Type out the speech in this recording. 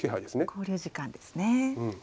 考慮時間ですね。